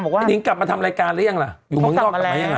บอกว่าไอ้นิ้งกลับมาทำรายการแล้วยังล่ะอยู่เมืองนอกกลับมายังง่ะ